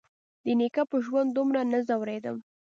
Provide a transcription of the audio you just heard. د نيکه په ژوند دومره نه ځورېدم.